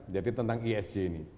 jadi tentang esg ini